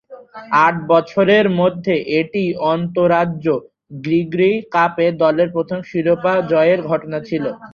আট বছরের মধ্যে এটিই আন্তঃরাজ্য গ্রিগরি কাপে দলের প্রথম শিরোপা জয়ের ঘটনা ছিল।